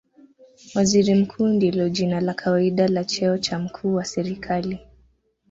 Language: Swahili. Waziri Mkuu ndilo jina la kawaida la cheo cha mkuu wa serikali.